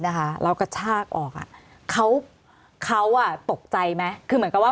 เรากระชากออกอ่ะเขาเขาอ่ะตกใจไหมคือเหมือนกับว่า